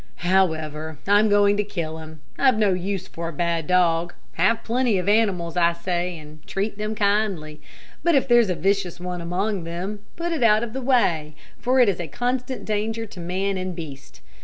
However, I'm going to kill him. I've no use for a bad dog. Have plenty of animals, I say, and treat them kindly, but if there's a vicious one among them, put it out of the way, for it is a constant danger to man and beast.